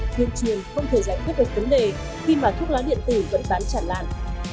thuyên truyền không thể giải quyết được vấn đề khi mà thuốc lá điện tử vẫn bán chàn lan